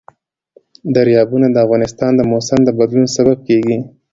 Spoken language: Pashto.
دریابونه د افغانستان د موسم د بدلون سبب کېږي.